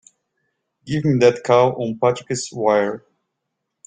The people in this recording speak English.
Give me that call on Patrick's wire!